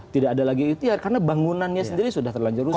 tidak ada lagi ikhtiar karena bangunannya sendiri sudah terlanjur rusak